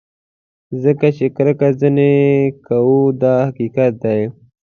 ځکه چې کرکه ځینې کوو دا حقیقت دی.